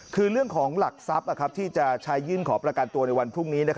คือเรื่องของหลักทรัพย์ที่จะใช้ยื่นขอประกันตัวในวันพรุ่งนี้